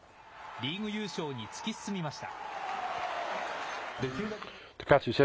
リーグ優勝に突き進みました。